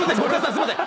すいません！